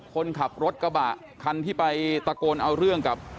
คนขับรถกระบะคันที่ไปตะโกนเอาเรื่องกับ